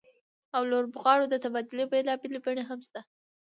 او لوبغاړو د تبادلې بېلابېلې بڼې هم شته